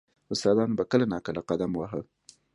• استادانو به کله نا کله قدم واهه.